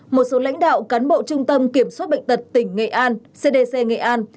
một số lãnh đạo cán bộ trung tâm kiểm soát bệnh tật tỉnh nghệ an cdc nghệ an